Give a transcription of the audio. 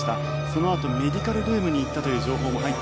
そのあとメディカルルームに行ったという情報も入っています。